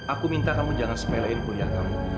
aku minta kamu jangan sepelain kuliah kamu